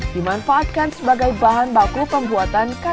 dimanfaatkan sebagai bahan bahan untuk menjaga kelinci